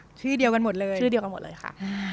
ชื่อเดียวกันหมดเลยชื่อเดียวกันหมดเลยค่ะ